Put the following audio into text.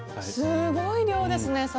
すごい量ですね